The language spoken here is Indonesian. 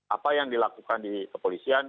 apa yang dilakukan di kepolisian